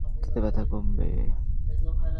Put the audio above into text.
তাতে ব্যথা কমবে।